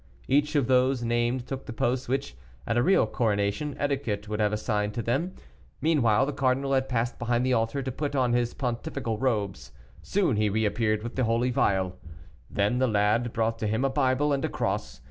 Each of those named took the posts which, at a real coronation, etiquette would have assigned to them. Meanwhile, the cardinal had passed behind the altar to put on his pontifical robes; soon he reappeared with the holy vial. Then the lad brought to him a Bible and a cross.